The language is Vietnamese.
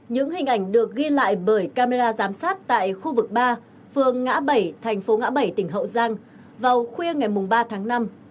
những hình ảnh được ghi lại bởi camera giám sát tại khu vực ba phường ngã bảy thành phố ngã bảy tỉnh hậu giang vào khuya ngày ba tháng năm